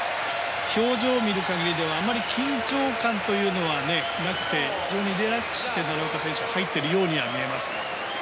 表情を見る限りあまり緊張感はなくてリラックスして奈良岡選手は入っているようには見えます。